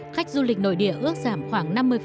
khách du lịch nội địa ước giảm khoảng năm mươi